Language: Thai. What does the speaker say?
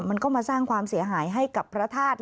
มันก็มาสร้างความเสียหายให้กับพระธาตุ